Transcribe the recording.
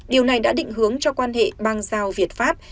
điều này đã định hướng cho quan hệ bang giao việt pháp